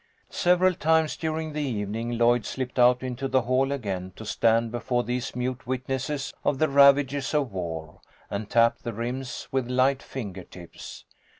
Several times during the evening Lloyd slipped out into the hall again to stand before these mute wit nesses of the ravages of war, and tap the rims with light finger tips.